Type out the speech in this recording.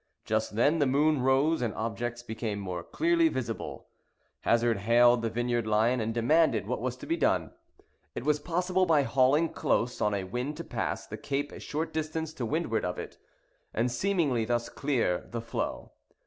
Just then the moon rose, and objects became more clearly visible. Hazard hailed the Vineyard Lion, and demanded what was to be done. It was possible by hauling close on a wind to pass the cape a short distance to windward of it; and seemingly thus clear the floe.